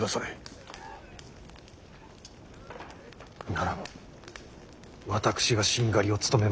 ならば私がしんがりを務めまする。